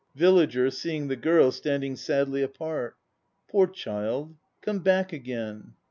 VILLAGER (seeing the GIRL standing sadly apart). Poor child, come back again.